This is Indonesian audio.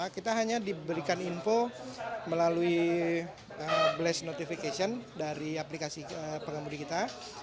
kita hanya diberikan info melalui blast notification dari aplikasi pengemudi kita